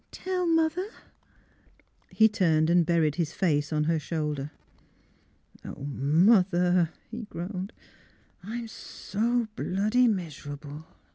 Tell mother !" He turned and buried his face on her shoulder. " Oh, mother," he groaned, " I'm so bloody miserable